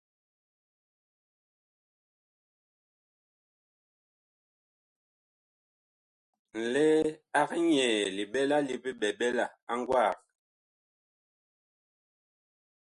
Nlɛɛ ag nyɛɛ liɓɛla li biɓɛɓɛla a gwaag.